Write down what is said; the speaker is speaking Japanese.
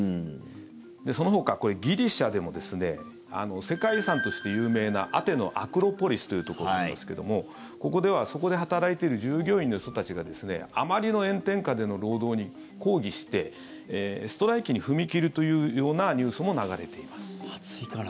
そのほか、ギリシャでも世界遺産として有名なアテネのアクロポリスというところなんですけどもここではそこで働いている従業員の人たちがあまりの炎天下での労働に抗議してストライキに踏み切るというような暑いから。